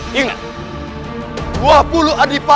kita harus serang